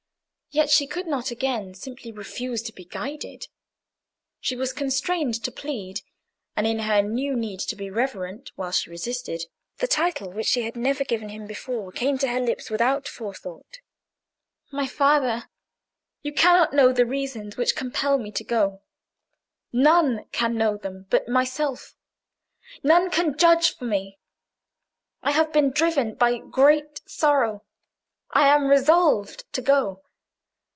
Yet she could not again simply refuse to be guided; she was constrained to plead; and in her new need to be reverent while she resisted, the title which she had never given him before came to her lips without forethought, "My father, you cannot know the reasons which compel me to go. None can know them but myself. None can judge for me. I have been driven by great sorrow. I am resolved to go."